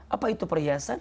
apa itu perhiasan